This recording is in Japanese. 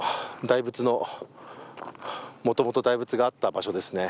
もともと大仏があった場所ですね。